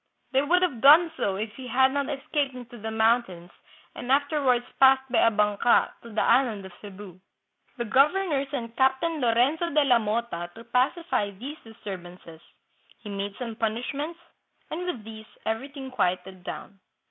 They would have done so if he had not escaped into tKe mountains and afterwards passed by a banka to the island of Cebu. The governor sent Captain Lorenzo de la Mota to pacify these disturbances; he made some punishments, and with these everything quieted down."